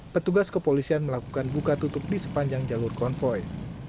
petugas kepolisian melakukan buka tutup di sepanjang jalur konvoy